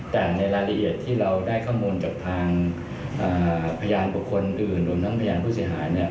แต่ในรายละเอียดที่เราได้ข้อมูลจากทางพยานบุคคลอื่นรวมทั้งพยานผู้เสียหาย